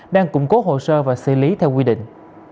đang củng cố hồ sơ và xử lý theo quy định